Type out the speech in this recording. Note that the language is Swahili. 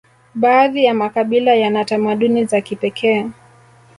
baadhi ya makabila yana tamaduni za kipekee